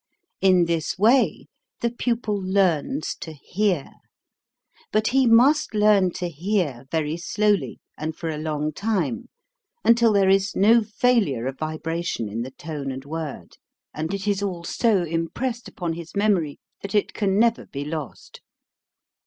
In this way the pupil learns to hear. But he must learn to hear very slowly and for a long time, until there is no failure of vibration in the tone and word, and it is all so impressed upon his memory that it can never be lost.